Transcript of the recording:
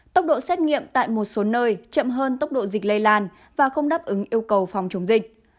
tốc độ xét nghiệm tại một số nơi chậm hơn tốc độ dịch lây lan và không đáp ứng yêu cầu phòng chống dịch